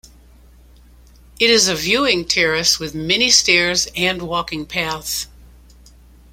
It is a viewing terrace, with many stairs and walking paths.